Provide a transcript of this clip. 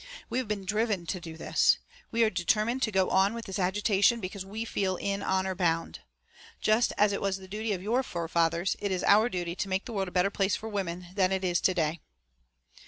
We have been driven to do this; we are determined to go on with this agitation because we feel in honour bound. Just as it was the duty of your forefathers, it is our duty to make the world a better place for women than it is to day.